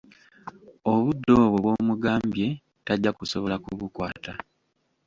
Obudde obwo bw'omugambye tajja kusobola kubukwata.